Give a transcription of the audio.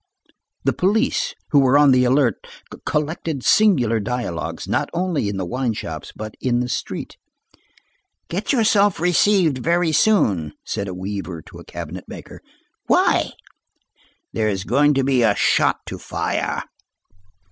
The police, who were on the alert, collected singular dialogues, not only in the wine shops, but in the street. "Get yourself received very soon," said a weaver to a cabinet maker. "Why?" "There is going to be a shot to fire."